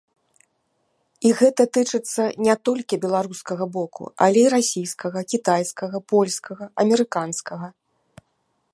І гэта тычыцца не толькі беларускага боку, але і расійскага, кітайскага, польскага, амерыканскага.